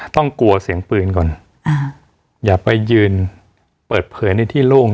กลัวเสียงปืนก่อนอ่าอย่าไปยืนเปิดเผยในที่โล่ง